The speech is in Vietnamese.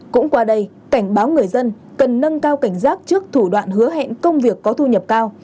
cũng qua đây cảnh báo người dân cần nâng cao cảnh giác trước thủ đoạn hứa hẹn công việc có thu nhập cao